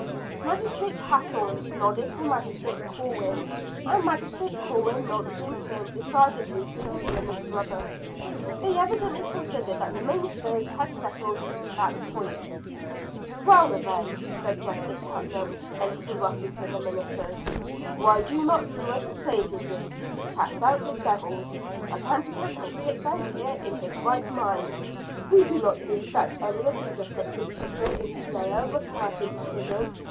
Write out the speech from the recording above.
Magistrate Hathorne nodded to Magistrate Corwin, and Magistrate Corwin nodded in turn decidedly to his learned brother. They evidently considered that the ministers had settled that point. "Well, then," said Joseph Putnam, a little roughly to the ministers, "why do you not do as the Savior did, cast out the devils, that Antipas may sit down here in his right mind? We do not read that any of these afflicted people in Judea were cast into prison.